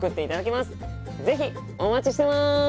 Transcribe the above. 是非お待ちしてます。